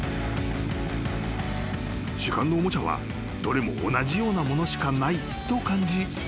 ［市販のおもちゃはどれも同じようなものしかないと感じ